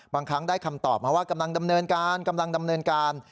บางครั้งได้คำตอบมาว่ากำลังดำเนินการกำลังดำเนินการ